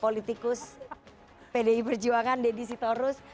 politikus pdi perjuangan deddy sitorus